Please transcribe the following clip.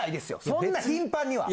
そんな頻繁には。